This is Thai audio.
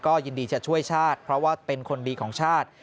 ยินดีจะช่วยชาติเพราะว่าเป็นคนดีของชาติ